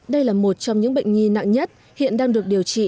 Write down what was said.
đây là một trong những bệnh nhi nặng nhất hiện đang được điều trị